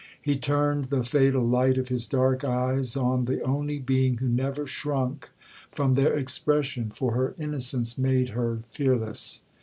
He turned the fatal light of his dark eyes on the only being who never shrunk from their expression, for her innocence made her fearless.